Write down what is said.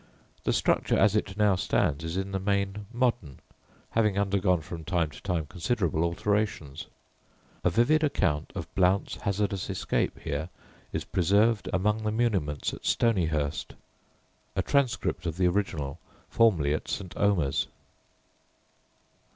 The structure as it now stands is in the main modern, having undergone from time to time considerable alterations. A vivid account of Blount's hazardous escape here is preserved among the muniments at Stonyhurst a transcript of the original formerly at St. Omers.